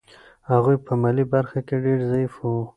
هغوی په مالي برخه کې ډېر ضعیف وو.